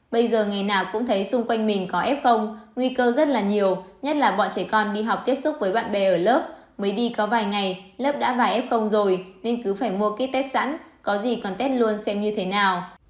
bây giờ ngày nào cũng thấy xung quanh mình có f nguy cơ rất là nhiều nhất là bọn trẻ con đi học tiếp xúc với bạn bè ở lớp mới đi có vài ngày lớp đã vài f không rồi nên cứ phải mua ký test sẵn có gì còn tết luôn xem như thế nào